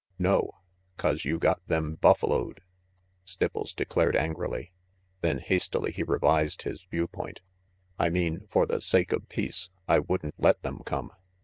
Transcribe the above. "No, 'cause you got them buffaloed Stipples declared angrily; then hastily he revised his view point. "I mean, for the sake of peace, I wouldn't let them come.